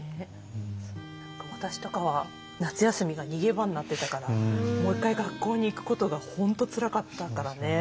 私とかは夏休みが逃げ場になっていたからもう一回学校に行くことが本当につらかったからね。